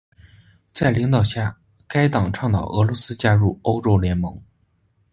在领导下，该党倡导俄罗斯加入欧洲联盟。